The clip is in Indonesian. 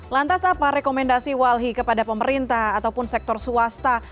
lantas apa rekomendasi walhi kepada pemerintah ataupun sektor swasta